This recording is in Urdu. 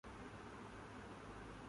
تو یہ عجیب لگتا ہے۔